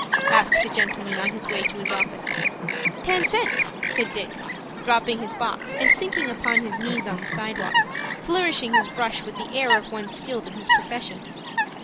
asked a gentleman on his way to his office. "Ten cents," said Dick, dropping his box, and sinking upon his knees on the sidewalk, flourishing his brush with the air of one skilled in his profession.